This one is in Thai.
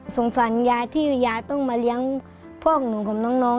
สงสัยยายที่ยายต้องมาเลี้ยงพวกหนูของน้อง